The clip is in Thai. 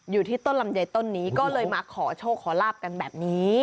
อยู่ที่ต้นลำไยต้นนี้ก็เลยมาขอโชคขอลาบกันแบบนี้